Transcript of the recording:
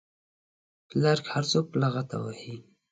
په لار کې هر څوک په لغته وهي.